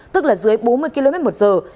tức là dưới bốn mươi km một giờ